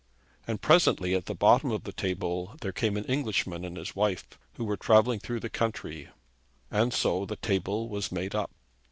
And presently at the bottom of the table there came an Englishman and his wife, who were travelling through the country; and so the table was made up.